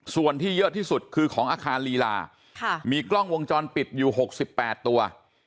ส่วนที่เยอะที่สุดคือของอาคารลีลามีกล้องวงจรปิดอยู่๖๘ตัว